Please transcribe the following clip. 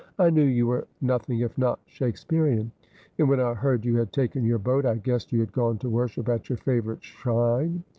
I knew you were nothing if not Shake spearian ; and when I heard you had taken your boat I guessed you had gone to worship at your favourite shrine.